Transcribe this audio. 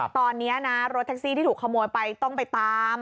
ตอนนี้นะรถแท็กซี่ที่ถูกขโมยไปต้องไปตาม